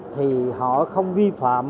thì họ không vi phạm